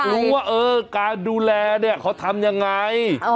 ผมแค่อยากรู้ว่าเออการดูแลเนี่ยเขาทำยังไง